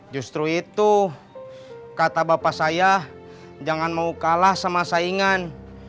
justru itu kata bapak saya jangan mau kalah sama saingan